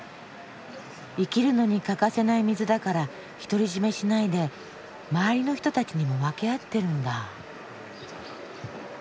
生きるのに欠かせない水だから独り占めしないで周りの人たちにも分け合ってるんだ。